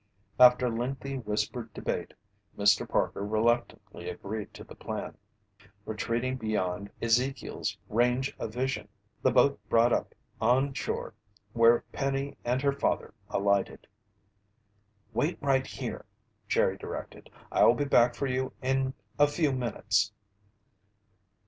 After lengthy whispered debate, Mr. Parker reluctantly agreed to the plan. Retreating beyond Ezekiel's range of vision, the boat brought up on shore where Penny and her father alighted. "Wait right here!" Jerry directed. "I'll be back for you in a few minutes!"